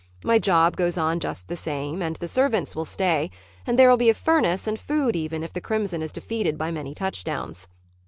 My job goes on just the same and the servants will stay, and there will be a furnace and food even if the Crimson is defeated by many touchdowns.